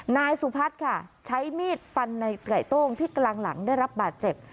นายสุพัฒน์ค่ะใช้มีดฟันในไก่โต้งที่กลางหลังได้รับบาดเจ็บ